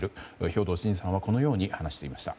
兵頭慎治さんはこのように話していました。